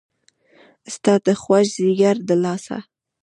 ستا د خوږ ځیګر د لاسه